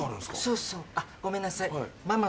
そうそう。あっごめんなさい。